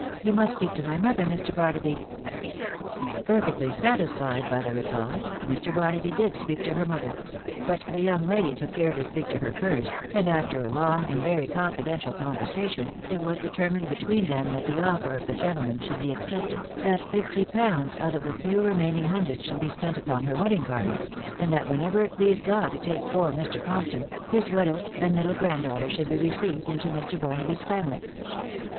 u You must speak to my mother, Mr. »» :tly satisfied by the reply, Mr. Barnaby did speak to ler ; but the young lady took care to speak to her first, * a long and very confidential conversation, it was de i between them that the offer of the gentleman should jpted, that fifty pounds out of the few remaining hun should be spent upon her wedding garments, and that jver it pleased God to take poor Mr. Compton, his widow ttle grand daughter should be received into Mr. Barnaby's ly.